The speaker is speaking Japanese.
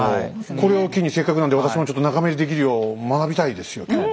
これを機にせっかくなんで私もちょっと仲間入りできるよう学びたいですよ今日は。